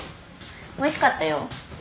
おいしかったよ。